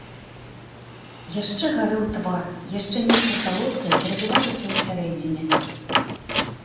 Яшчэ гарэў твар, яшчэ нешта салодкае пералівалася ўсярэдзіне.